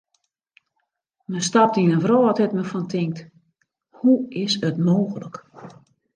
Men stapt yn in wrâld dêr't men fan tinkt: hoe is it mooglik.